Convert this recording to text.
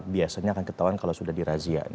biasanya akan ketahuan kalau sudah dirazia